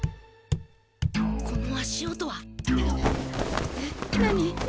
この足音は。えっ？